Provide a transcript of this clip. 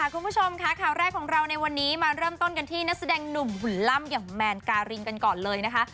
คุณผู้ชมค่ะข่าวแรกของเราในวันนี้มาเริ่มต้นกันที่นักแสดงหนุ่มหุ่นล่ำอย่างแมนการินกันก่อนเลยนะคะ